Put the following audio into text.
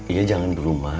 iya jangan dulu mak